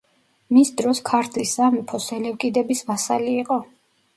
მის დროს ქართლის სამეფო სელევკიდების ვასალი იყო.